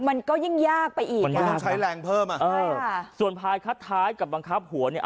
มันก็ยิ่งยากไปอีกนะคะต้องใช้แรงเพิ่มอ่ะเออส่วนพายคัดท้ายกับบังคับหัวเนี่ย